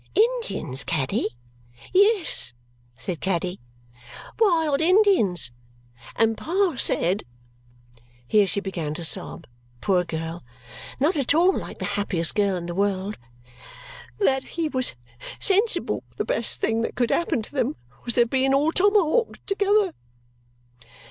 "Indians, Caddy?" "Yes," said Caddy, "wild Indians. And Pa said" here she began to sob, poor girl, not at all like the happiest girl in the world "that he was sensible the best thing that could happen to them was their being all tomahawked together."